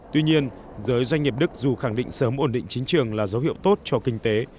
tuy nhiên giới doanh nghiệp đức dù khẳng định sớm ổn định chính trường là dấu hiệu tốt cho kinh tế